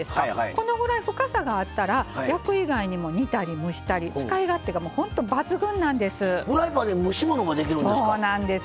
これぐらい深さがあったら焼く以外にも煮たり、蒸したり、使い勝手が本当、抜群なんです。